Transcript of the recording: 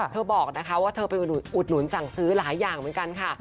บอกนะคะว่าเธอไปอุดหนุนสั่งซื้อหลายอย่างเหมือนกันค่ะ